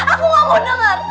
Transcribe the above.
aku gak mau dengar